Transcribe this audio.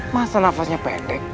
masa nafasnya pendek